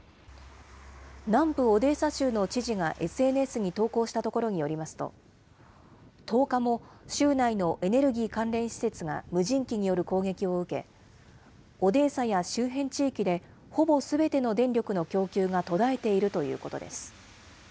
南部オデーサ州の知事がＳＮＳに投稿したところによりますと、１０日も州内のエネルギー関連施設が無人機による攻撃を受け、オデーサや周辺地域で、ほぼすべての電力の供給が途絶えているということです。